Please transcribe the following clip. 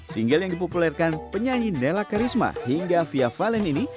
single yang dipopulerkan penyanyi nela karisma hingga fia valen ini